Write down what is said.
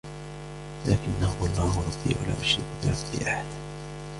لكنا هو الله ربي ولا أشرك بربي أحدا